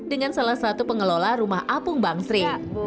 dengan salah satu pengelola rumah apung bangsri